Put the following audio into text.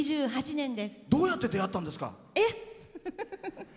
どうやって出会ったんですか？